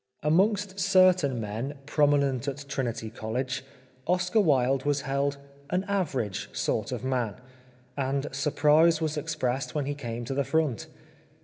Amongst certain men, prominent at Trinity ii6 The Life of Oscar Wilde College, Oscar Wilde was held an average sort of man," and surprise was expressed when he came to the front.